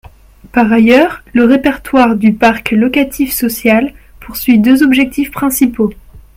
Par ailleurs, le répertoire du parc locatif social poursuit deux objectifs principaux.